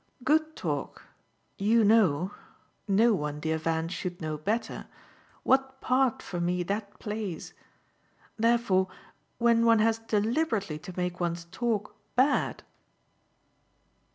Good talk: you know no one, dear Van, should know better what part for me that plays. Therefore when one has deliberately to make one's talk bad